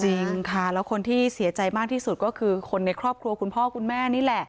จริงค่ะแล้วคนที่เสียใจมากที่สุดก็คือคนในครอบครัวคุณพ่อคุณแม่นี่แหละ